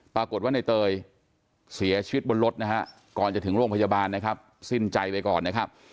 ปรากฏว่าในเตยเสียชีวิตบนรถนะฮะก่อนจะถึงโรงพยาบาลนะครับสิ้นใจไปก่อนนะครับ